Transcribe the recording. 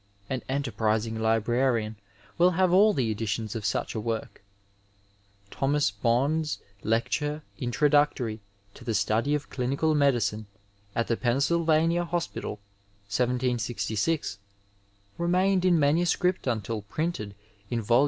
An enterprising librarian will have all the editions of such a work. Thomas Bond's Lecture Introductory to the Study of Clinical Medicine at tike Pennsf^nia Hospital, 1766, remained in manuscript until printed in Vol.